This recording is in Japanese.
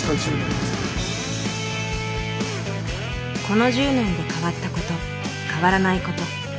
この１０年で変わったこと変わらないこと。